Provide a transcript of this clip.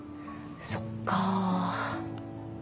そっか。